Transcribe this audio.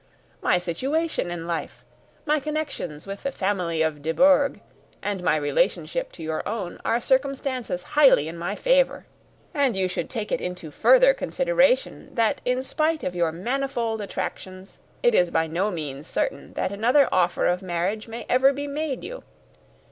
My situation in life, my connections with the family of De Bourgh, and my relationship to your own, are circumstances highly in my favour; and you should take it into further consideration that, in spite of your manifold attractions, it is by no means certain that another offer of marriage may ever be made you.